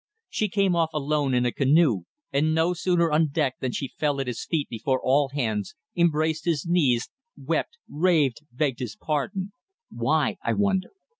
She came off alone in a canoe, and no sooner on deck than she fell at his feet before all hands, embraced his knees, wept, raved, begged his pardon. Why? I wonder.